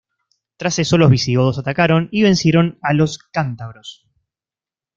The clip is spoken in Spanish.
Tras eso los visigodos atacaron y vencieron a los cántabros.